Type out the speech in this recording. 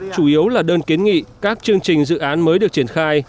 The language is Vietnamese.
chủ yếu là đơn kiến nghị các chương trình dự án mới được triển khai